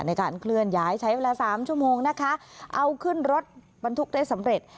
ในการเคลื่อนย้ายใช้เวลาสามชั่วโมงนะคะเอาขึ้นรถบรรทุกได้สำเร็จ